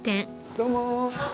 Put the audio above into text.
どうも。